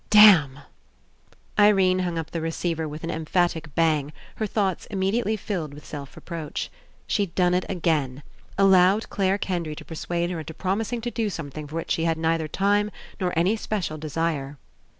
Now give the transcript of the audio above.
"Damn!" Irene hung up the receiver with an em phatic bang, her thoughts immediately filled with self reproach. She'd done it again. Al lowed Clare Kendry to persuade her into prom ising to do something for which she had neither time nor any special desire.